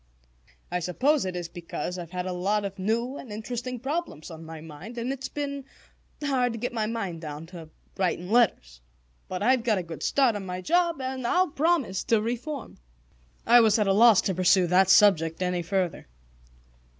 "I suppose it is because I've had a lot of new and interesting problems on my mind, and it's been hard to get my mind down to writing letters. But I've got a good start on my job, and I'll promise to reform." I was at a loss to pursue that subject any further.